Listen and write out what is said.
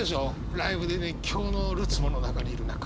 ライブで熱狂のるつぼの中にいる中。